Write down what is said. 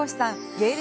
芸歴